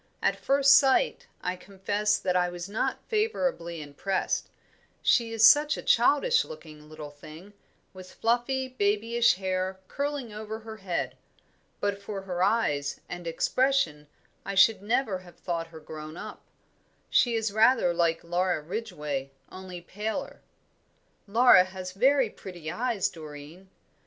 At first sight I confess that I was not favourably impressed she is such a childish looking little thing, with fluffy, babyish hair curling over her head. But for her eyes, and expression, I should never have thought her grown up. She is rather like Laura Ridgway, only paler." "Laura has very pretty eyes, Doreen."